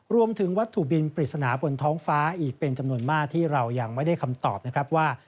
รวมถึงวัตถุบินปริศนาบนท้องฟ้าอีกเป็นจำนวนมากที่เรายังไม่ได้คำตอบนะครับว่า